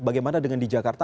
bagaimana dengan di jakarta